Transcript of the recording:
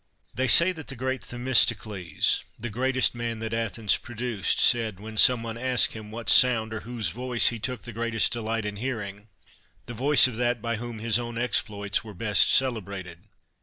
They say that the great Themistocles, the greatest man that Athens produced, said, when some one asked him what sound or whose voice he took the greatest delight in hearing, The voice of that by whom his own exploits were best celebrated.'